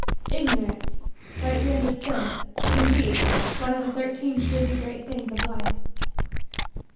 Ignorance, rightly understood, is, indeed, one of the Thirteen Truly Great Things of Life.